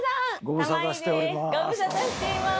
ご無沙汰しております。